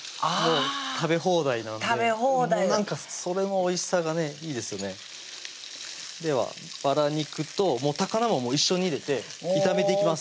食べ放題なんでなんかそれのおいしさがねいいですよねではバラ肉と高菜も一緒に入れて炒めていきます